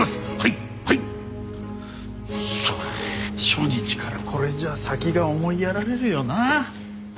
初日からこれじゃ先が思いやられるよな。